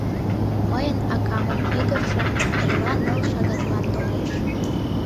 Мыйын акамын ӱдыржӧ эрла ныл шагатлан толеш.